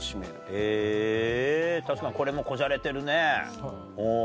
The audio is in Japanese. へぇ確かにこれもこじゃれてるねおぉ。